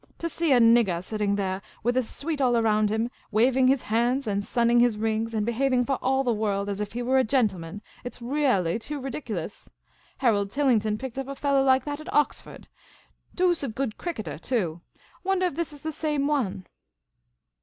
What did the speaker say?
To see a niggah sitting theah, with his suite all' round him, waving his hands and sunning 242 Miss Cayley's Adventures his rings, and behaving for all the world as if he were a gentleman ; it 's reahlly too ridiculous. Harold Tillington picked up with a fellah like that at Oxford — doosid good cricketer too ; wondah if this is the same one."